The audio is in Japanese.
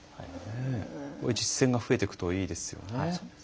こういう実践が増えていくといいですよね。